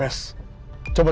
jangan kej humid